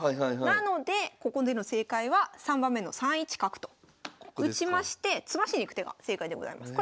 なのでここでの正解は３番目の３一角と打ちまして詰ましにいく手が正解でございます。